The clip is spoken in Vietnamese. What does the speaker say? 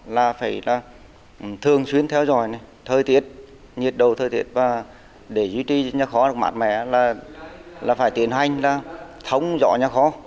là phải thường xuyên theo dõi thời tiết nhiệt độ thời tiết và để duy trì cho nhà khó mát mẻ là phải tiến hành thống dõi nhà khó